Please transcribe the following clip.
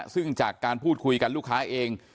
ซึ่งจากการพูดคุยกันลูกค้าเอง